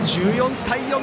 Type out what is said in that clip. １４対４。